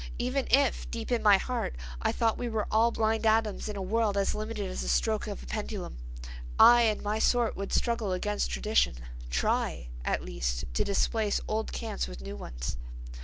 Even if, deep in my heart, I thought we were all blind atoms in a world as limited as a stroke of a pendulum, I and my sort would struggle against tradition; try, at least, to displace old cants with new ones.